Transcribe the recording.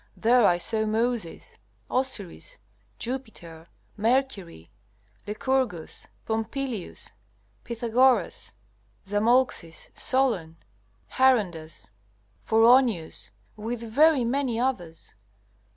There I saw Moses, Osiris, Jupiter, Mercury, Lycurgus, Pompilius, Pythagoras, Zamolxis, Solon, Charondas, Phoroneus, with very many others.